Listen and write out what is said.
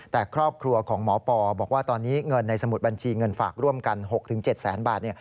แต่ครอบครัวของหมอปอบอกว่าตอนนี้เงินในสมุดบัญชีเงินฝากร่วมกัน๖๗แสนบาท